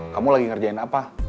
kamu lagi ngerjain apa